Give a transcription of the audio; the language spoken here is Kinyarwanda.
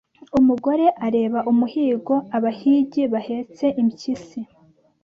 umugore areba umuhigo abahigi bahetse impyisi